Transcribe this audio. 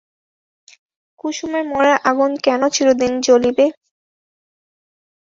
কুসুমের মনের আগুন কেন চিরদিন জুলিবে?